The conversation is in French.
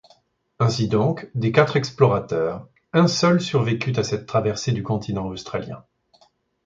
Ainsi donc, des quatre explorateurs, un seul survécut à cette traversée du continent australien.